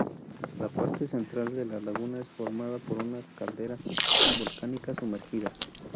La parte central de la laguna es formada por una caldera volcánica sumergida.